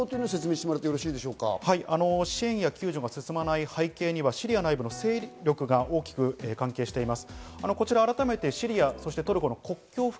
まずはシリアの国内の現状を支援や救助が進まない背景にはシリア内部の勢力が大きく関係しています。